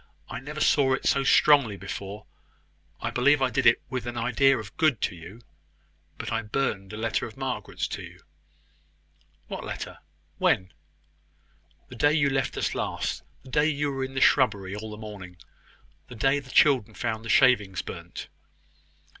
I never saw it so strongly before; I believe I did it with an idea of good to you; but I burned a letter of Margaret's to you." "What letter? When?" "The day you left us last the day you were in the shrubbery all the morning the day the children found the shavings burnt."